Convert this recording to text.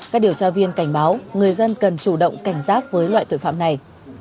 các điều tra viên cảnh báo người dân cần chủ động cảnh giác với loại tội phạm này